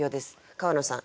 川野さん